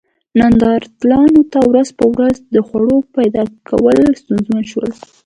نیاندرتالانو ته ورځ په ورځ د خوړو پیدا کول ستونزمن شول.